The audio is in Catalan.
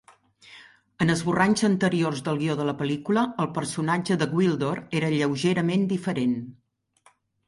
En esborranys anteriors del guió de la pel·lícula, el personatge de Gwildor era lleugerament diferent.